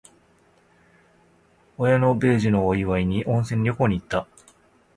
親の米寿のお祝いに、温泉旅行に行った。